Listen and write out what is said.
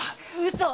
嘘！